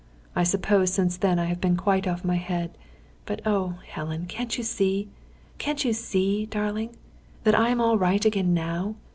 I suppose since then I have been quite off my head. But, oh, Helen, can't you see can't you see, darling that I am all right again now?